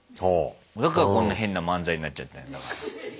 だからこんな変な漫才になっちゃってんだから。